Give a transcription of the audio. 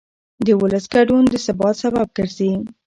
د ولس ګډون د ثبات سبب ګرځي